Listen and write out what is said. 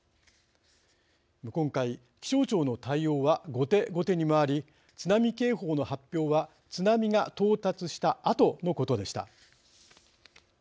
今回気象庁の対応は後手、後手に回り津波警報の発表は津波が到達したあとのことでした。